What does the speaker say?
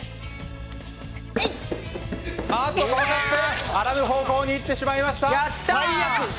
あっと、曲がってあらぬ方向に行ってしまいました。